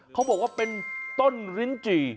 เขาบอกว่าเป็นต้นลิ้นจี่